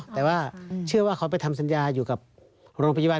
แต่ว่าเชื่อว่าเขาไปทำสัญญาอยู่กับโรงพยาบาล